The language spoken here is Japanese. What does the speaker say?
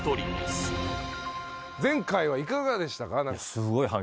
前回はいかがでしたか？